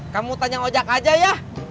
kamu tanya ojek aja ya